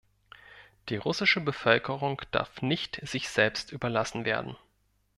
Die russische Bevölkerung darf nicht sich selbst überlassen werden.